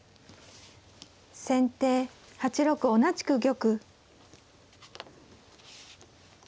先手８六同じく玉。